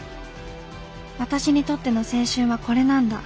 私にとっての青春はこれなんだ